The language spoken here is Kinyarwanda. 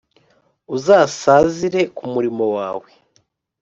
uzasazire ku murimo wawe